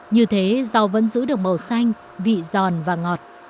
như thế rau vẫn giữ được màu xanh vị giòn và ngọt